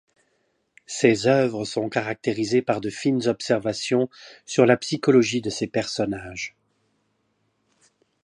Ses œuvres sont caractérisées par de fines observations sur la psychologie de ses personnages.